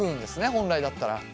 本来だったら。